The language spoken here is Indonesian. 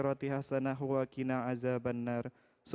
pemohonan anak subhanahu